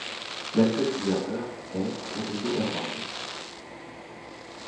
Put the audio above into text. L'actuel gouverneur est Rodrigo Hernández.